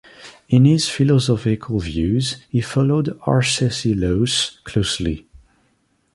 In his philosophical views he followed Arcesilaus closely.